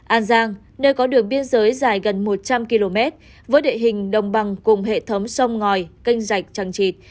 an giang nơi có đường biên giới dài gần một trăm linh km với địa hình đồng bằng cùng hệ thống sông ngòi canh rạch chẳng chịt